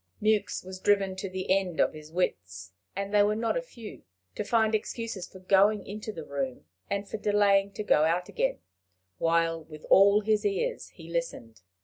Mewks was driven to the end of his wits, and they were not a few, to find excuses for going into the room, and for delaying to go out again, while with all his ears he listened.